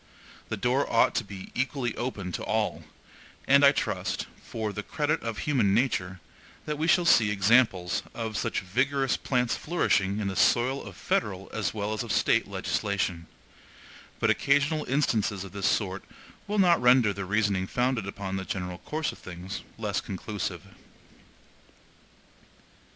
The door ought to be equally open to all; and I trust, for the credit of human nature, that we shall see examples of such vigorous plants flourishing in the soil of federal as well as of State legislation; but occasional instances of this sort will not render the reasoning founded upon the general course of things, less conclusive.